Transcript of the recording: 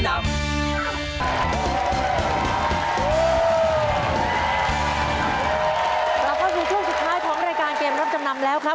กลับเข้าสู่ช่วงสุดท้ายของรายการเกมรับจำนำแล้วครับ